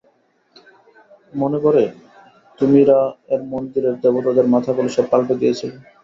মনে পড়ে, তুমি রা-এর মন্দিরের দেবতাদের মাথাগুলো সব পাল্টে দিয়েছিলে।